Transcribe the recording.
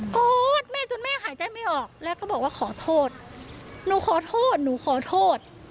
กอดแม่จนแม่หายใจไม่ออกแล้วก็บอกว่าขอโทษหนูขอโทษหนูขอโทษ